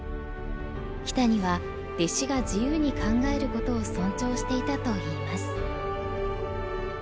木谷は弟子が自由に考えることを尊重していたといいます。